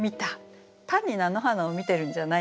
単に菜の花を見てるんじゃないんです。